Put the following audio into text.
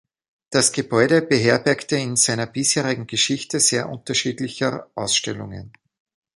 Das Gebäude beherbergte in seiner bisherigen Geschichte sehr unterschiedlicher Ausstellungen.